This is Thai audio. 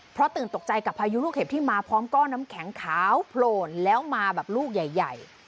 เพราะตื่นตกใจกับพายุลูกเห็บที่มาพร้อมก้อนน้ำแข็งขาวโผล่นแล้วมาแบบลูกใหญ่